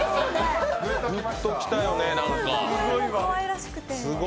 グッときたよね、なんか。